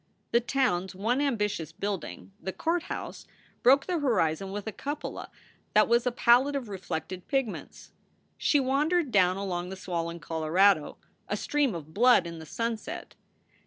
The town s one ambitious building, the courthouse, broke SOULS FOR SALE 109 the horizon with a cupola that was a palette of reflected pigments. She wandered down along the swollen Colorado, a stream of blood in the sunset.